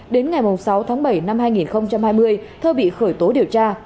đến ngày sáu tháng bảy năm hai nghìn hai mươi thơ bị khởi tố điều tra